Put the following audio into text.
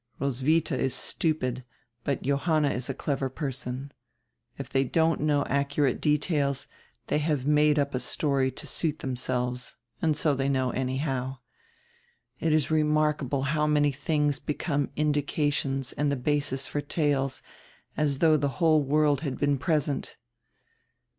Roswitha is stupid, but Johanna is a clever person. If they don't know accu rate details, they have made up a story to suit themselves and so they know anyhow. It is remarkable how many tilings become indications and the basis for tales, as though the whole world had been present."